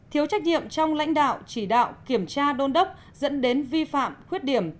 thiếu trách nhiệm trong lãnh đạo chỉ đạo kiểm tra đôn đốc dẫn đến vi phạm khuyết điểm